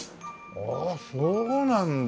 ああそうなんだ！